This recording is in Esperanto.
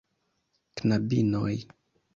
Knabinoj!